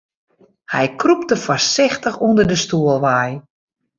Hy krûpte foarsichtich ûnder de stoel wei.